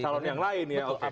calon yang lain ya